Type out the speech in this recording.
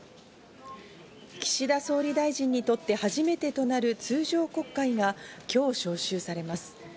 岸田総理大臣にとって初めてとなる通常国会が今日、召集されます。